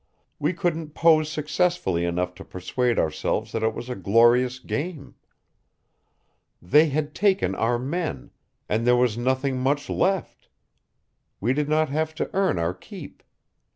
We couldn't pose successfully enough to persuade ourselves that it was a glorious game. They had taken our men, and there was nothing much left. We did not have to earn our keep.